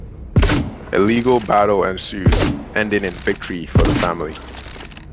A legal battle ensues, ending in victory for the family.